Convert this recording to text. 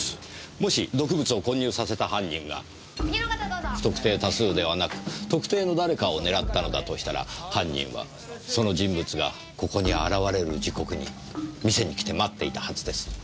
もし毒物を混入させた犯人が不特定多数ではなく特定の誰かを狙ったのだとしたら犯人はその人物がここに現れる時刻に店に来て待っていたはずです。